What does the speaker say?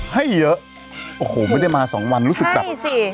ให้เยอะโอ้โหไม่ได้มา๒วันลูกดูมเยอะมาก